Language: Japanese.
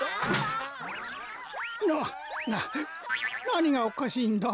なななにがおかしいんだ？